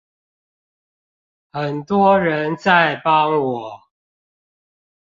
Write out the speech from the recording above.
很多人在幫我